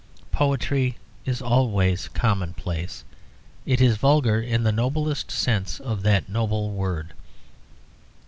Poetry is always commonplace; it is vulgar in the noblest sense of that noble word.